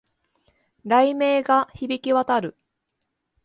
雷鳴が響き渡る